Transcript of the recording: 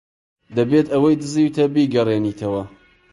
دەبێت ئەوەی دزیوتە بیگەڕێنیتەوە.